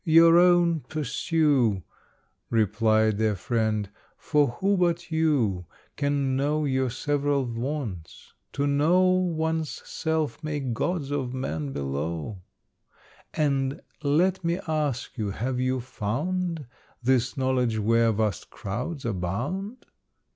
"Your own pursue," Replied their friend; "for who but you Can know your several wants? To know One's self makes gods of man below. And let me ask you, have you found This knowledge where vast crowds abound?